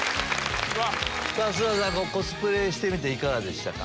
須田さんコスプレしていかがでしたか？